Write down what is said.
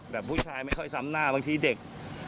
แบบผู้ชายไม่ค่อยซ้ำหน้าบางทีเด็ก